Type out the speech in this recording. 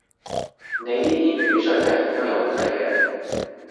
你啲英語水平都有問題嘅